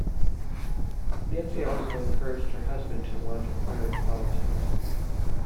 Nancy also encouraged her husband to launch a career in politics.